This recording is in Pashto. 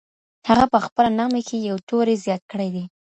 هغه په خپله نامې کي یو توری زیات کړی دی.